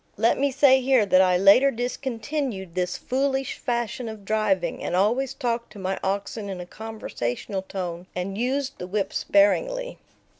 Let me say here that I later discontinued this foolish fashion of driving, and always talked to my oxen in a conversational tone and used the whip sparingly.